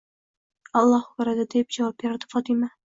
Alloh ko'radi, — deb javob berardi Fotima.